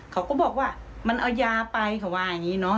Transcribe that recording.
เขาก็บอกว่ามันเอายาไปเขาว่าอย่างนี้เนาะ